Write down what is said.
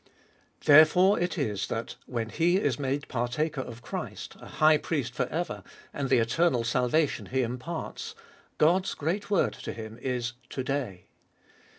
Therefore it is that, when he is made partaker of Christ, a High Priest for ever, and the eternal 124 Ebe 1bolie0t of BU salvation He imparts, God's great word to him is To day.